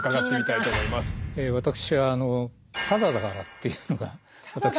私は「タダだから」っていうのが。